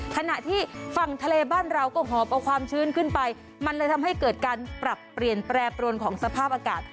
ขณะที่ฝั่งทะเลบ้านเราก็หอบเอาความชื้นขึ้นไปมันเลยทำให้เกิดการปรับเปลี่ยนแปรปรวนของสภาพอากาศ